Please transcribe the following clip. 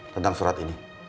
tentang surat ini